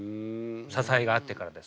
ささえがあったからです。